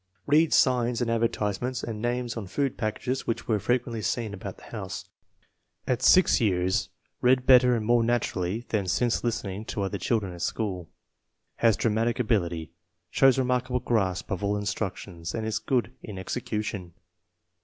Read signs and adver tisements and names on food packages which were frequently seen about the house. At 6 years read bet 224 INTELLIGENCE OF SCHOOL CHILDBEN ter and more naturally than since listening to other children at school. Has dramatic ability. Shows re markable grasp of all instruction and is good in execu tion.